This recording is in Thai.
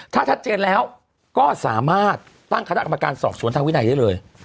ถ้าชัดเจนแล้วก็สามารถตั้งคณะกรรมการสอบสวนทางวินัยได้เลย